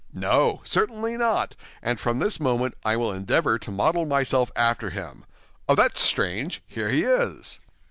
No, certainly not, and from this moment I will endeavor to model myself after him. Ah! That's strange! Here he is!"